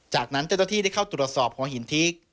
จากนั้นเจนทธิได้เข้าตรวจสอบของหินทิก